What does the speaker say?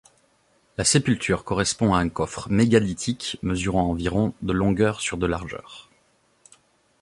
La sépulture correspond à un coffre mégalithique mesurant environ de longueur sur de largeur.